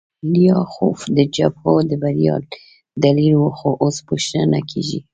لیاخوف د جبهو د بریا دلیل و خو اوس پوښتنه نه کیږي